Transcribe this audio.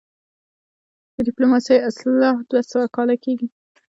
د ډيپلوماسۍ اصطلاح دوه سوه کاله کيږي